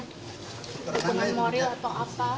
hubungan moral atau apa